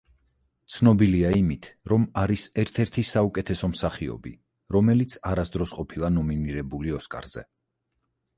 ცნობილია იმით, რომ არის ერთ-ერთი საუკეთესო მსახიობი, რომელიც არასდროს ყოფილა ნომინირებული ოსკარზე.